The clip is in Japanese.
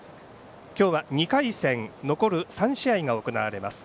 今日は２回戦残る３試合が行われます。